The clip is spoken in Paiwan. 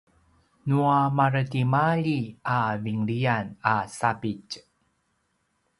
nua maretimalji a vinlian a sapitj